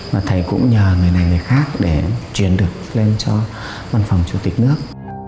và thầy cũng nhờ người này người khác để truyền được lên cho văn phòng chủ tịch nước